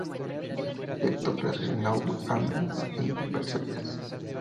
Dictó clases en Douai, Amiens y Versalles.